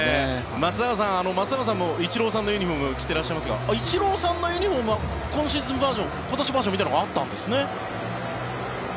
松坂さん、松坂さんもイチローさんのユニホームを着ていらっしゃいますがイチローさんのユニホームは今シーズンバージョンみたいなのがあったんですね。